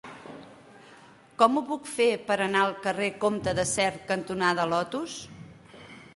Com ho puc fer per anar al carrer Comte de Sert cantonada Lotus?